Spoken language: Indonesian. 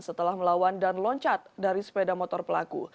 setelah melawan dan loncat dari sepeda motor pelaku